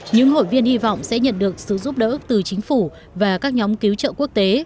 những hội viên hy vọng sẽ nhận được sự giúp đỡ từ chính phủ và các nhóm cứu trợ quốc tế